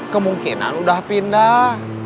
kemungkinan udah pindah